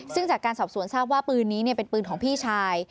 ซึ่งจากการสอบสวนทราบว่าปืนนี้เป็นปืนของพี่ชาย